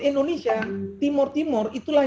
indonesia timur timur itulah